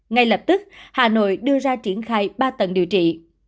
ngay lập tức hà nội đưa ra triển khai ba tầng điều trị